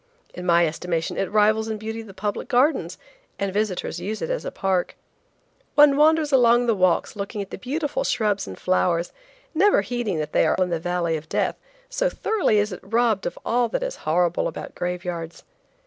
In my estimation it rivals in beauty the public gardens, and visitors use it as a park. One wanders along the walks looking at the beautiful shrubs and flowers, never heeding that they are in the valley of death, so thoroughly is it robbed of all that is horrible about graveyards.